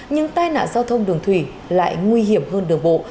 nhưng tai nạn giao thông đường thủy lại nguy hiểm hơn đường bộ